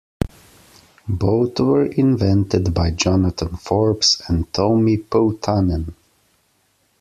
Both were invented by Jonathan Forbes and Tomi Poutanen.